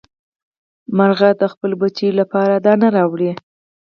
مارغه د خپلو بچیو لپاره دانه راوړي.